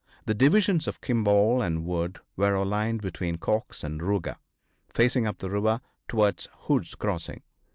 The divisions of Kimball and Wood were aligned between Cox and Ruger, facing up the river towards Hood's crossing.